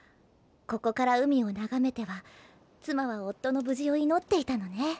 ここから海を眺めては妻は夫の無事を祈っていたのね。